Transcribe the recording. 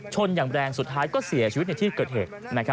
อย่างแรงสุดท้ายก็เสียชีวิตในที่เกิดเหตุ